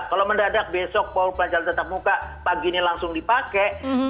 kalau mendadak besok pembelajaran tatap muka pagi ini langsung dipakai